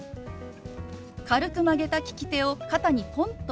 軽く曲げた利き手を肩にポンと置きます。